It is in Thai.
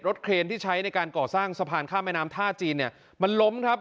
เครนที่ใช้ในการก่อสร้างสะพานข้ามแม่น้ำท่าจีนเนี่ยมันล้มครับ